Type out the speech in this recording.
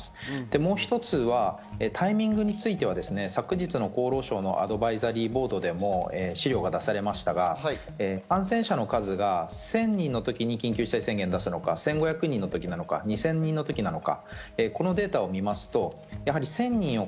もう一つはタイミングについては、昨日の厚労省のアドバイザリーボードでも資料が出されましたが、感染者の数が１０００人のときに緊急事態宣言を出すのか１５００人のときなのか、２０００人のときなのか。